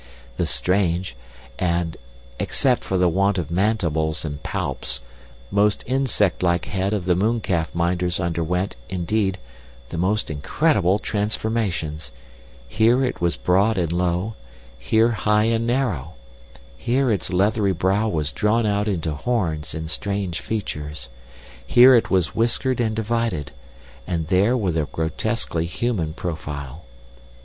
The strange and (except for the want of mandibles and palps) most insect like head of the mooncalf minders underwent, indeed, the most incredible transformations: here it was broad and low, here high and narrow; here its leathery brow was drawn out into horns and strange features; here it was whiskered and divided, and there with a grotesquely human profile.